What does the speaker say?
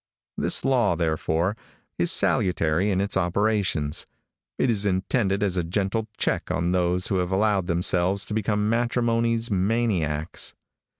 This law, therefore, is salutary in its operations. It is intended as a gentle check on those who have allowed themselves to become matrimony's maniacs.